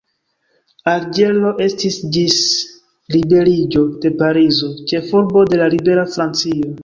Alĝero estis ĝis liberiĝo de Parizo, ĉefurbo de la libera Francio.